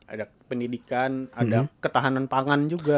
ada pendidikan ada ketahanan pangan juga